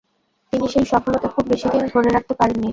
তিনি সেই সফলতা খুব বেশিদিন ধরে রাখতে পারেননি।